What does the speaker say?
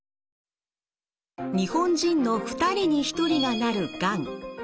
日本人の２人に１人がなるがん。